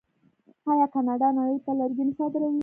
آیا کاناډا نړۍ ته لرګي نه صادروي؟